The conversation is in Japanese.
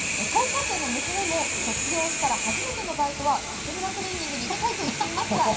高校生の娘も卒業したら初めてのバイトは竹村クリーニングに行きたいと言っていました。